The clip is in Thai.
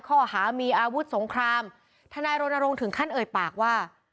ข้อหามีอาวุธสงครามทนายรณรงค์ถึงขั้นเอ่ยปากว่า